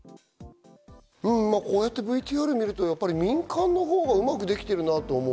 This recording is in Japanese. こうやってＶＴＲを見るとやっぱり民間のほうがうまくできてるなと思う。